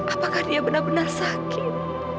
apakah dia benar benar sakit